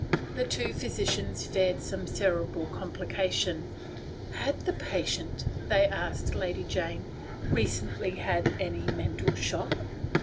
The two physicians feared some cerebral compKcations *" Had the patient," they asked Lady Jane, " recently had any mental shock